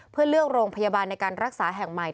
เพื่อเลือกโรงพยาบาลในการรักษาแห่งใหม่